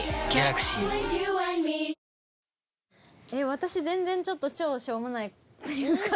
私全然ちょっと超しょうもないっていうか。